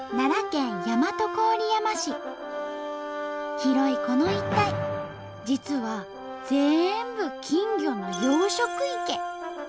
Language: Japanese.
広いこの一帯実はぜんぶ金魚の養殖池。